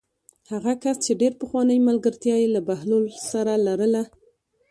هغه کس چې ډېره پخوانۍ ملګرتیا یې له بهلول سره لرله.